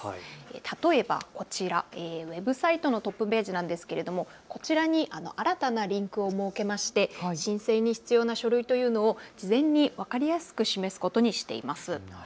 例えばこちら、ウェブサイトのトップページなんですがこちらに新たなリンクを設けまして申請に必要な書類というのを、事前に分かりやすく示すことにしています。